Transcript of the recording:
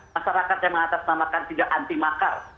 masyarakat yang mengatasnamakan tidak anti makar